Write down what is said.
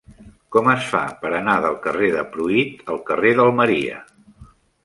Com es fa per anar del carrer de Pruit al carrer d'Almeria?